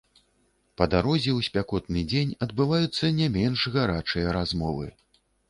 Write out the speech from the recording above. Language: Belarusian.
Па дарозе ў спякотны дзень адбываюцца не менш гарачыя размовы.